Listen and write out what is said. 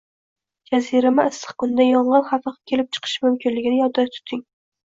Jazirama issiq kunda yong`in xavfi kelib chiqishi mumkinligini yodda tuting